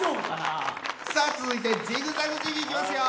さあ続いてジグザグジギーいきますよ！